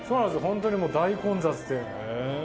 本当に大混雑で。